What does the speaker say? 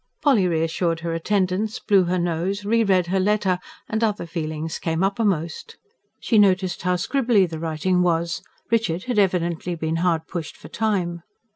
Polly reassured her attendants, blew her nose, re read her letter; and other feelings came uppermost. She noticed how scribbly the writing was Richard had evidently been hard pushed for time.